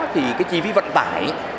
thì chi phí vận tải